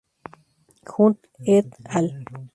Hunt "et al.